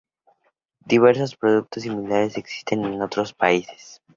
Diversos productos similares existen en otros países.